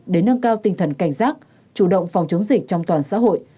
để nâng cao tinh thần cảnh giác chủ động phòng chống dịch trong toàn xã hội